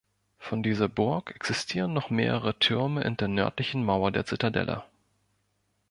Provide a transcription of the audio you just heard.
Von dieser Burg existieren noch mehrere Türme in der nördlichen Mauer der Zitadelle.